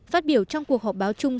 phát biểu trong cuộc họp báo chung